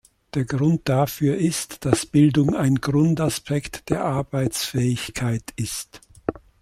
Der Grund dafür ist, dass Bildung ein Grundaspekt der Arbeitsfähigkeit ist.